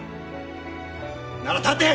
なら立て！